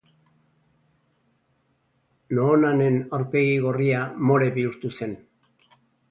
Noonanen aurpegi gorria more bihurtu zen.